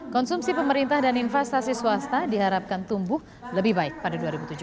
konsumsi pemerintah dan investasi swasta diharapkan tumbuh lebih baik pada dua ribu tujuh belas